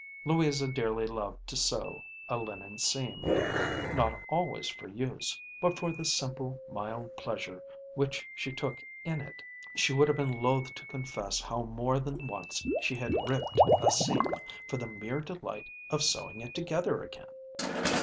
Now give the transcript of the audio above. Louisa dearly loved to sew a linen seam, not always for use, but for the simple, mild pleasure which she took in it. She would have been loath to confess how more than once she had ripped a seam for the mere delight of sewing it together again.